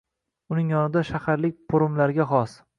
Uning yonida shaharlik po’rimlarga xos.